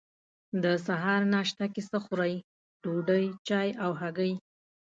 د سهار ناشته کی څه خورئ؟ ډوډۍ، چای او هګۍ